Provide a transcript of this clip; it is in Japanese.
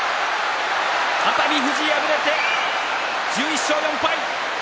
熱海富士敗れて１１勝４敗。